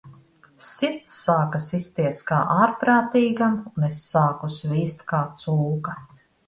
Sirds sāka sisties kā ārprātīgam, un es sāku svīst kā cūka.